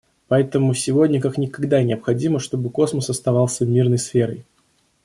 Поэтому сегодня как никогда необходимо, чтобы космос оставался мирной сферой.